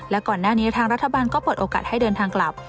และก่อนหน้านี้ทางรัฐบาลก็เปิดโอกาสให้เดินทางกลับ